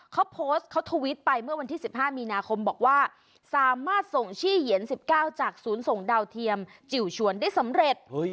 เขาโพสต์เขาทวิตไปเมื่อวันที่๑๕มีนาคมบอกว่าสามารถส่งชื่อเหยียน๑๙จากศูนย์ส่งดาวเทียมจิ๋วชวนได้สำเร็จ